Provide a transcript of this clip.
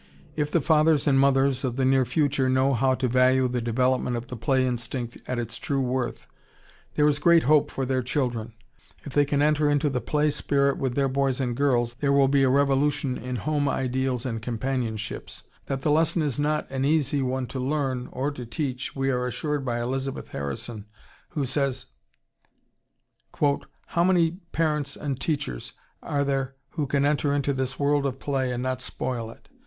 If the fathers and mothers of the near future know how to value the development of the play instinct at its true worth, there is great hope for their children. If they can enter into the play spirit with their boys and girls, there will be a revolution in home ideals and companionships. That the lesson is not an easy one to learn or to teach, we are assured by Elizabeth Harrison, who says, "How many parents and teachers are there who can enter into this world of play and not spoil it?